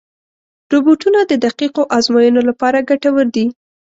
روبوټونه د دقیقو ازموینو لپاره ګټور دي.